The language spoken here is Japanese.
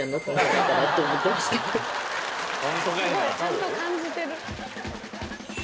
すごいちゃんと感じてる。